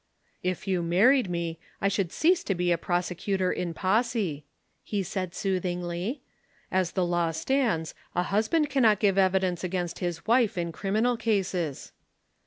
"'If you married me, I should cease to be a prosecutor in posse,' he said soothingly. 'As the law stands, a husband cannot give evidence against his wife in criminal cases.'